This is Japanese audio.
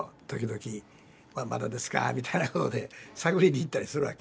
まだですかみたいなことで探りに行ったりするわけ。